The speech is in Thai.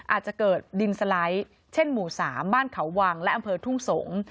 อาจจะเกิดดินสไลด์เช่นหมู่๓บ้านเขาวังและอำเภอทุ่งสงศ์